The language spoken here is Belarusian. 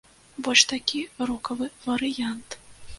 Больш такі рокавы варыянт.